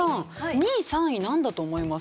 ２位３位なんだと思います？